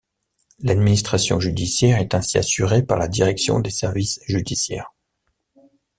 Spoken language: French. L'administration judiciaire est ainsi assurée par la Direction des services judiciaires.